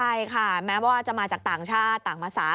ใช่ค่ะแม้ว่าจะมาจากต่างชาติต่างภาษา